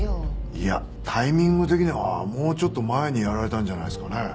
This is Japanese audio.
いやタイミング的にはもうちょっと前にやられたんじゃないですかね。